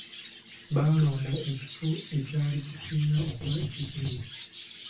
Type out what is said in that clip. Baalonda ekifo ekyali kisinga okuba eky'ebbeyi.